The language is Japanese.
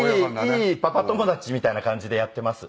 いいパパ友達みたいな感じでやっています。